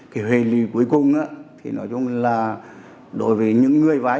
cái hệ lý cuối cùng nói chung là đối với những người vay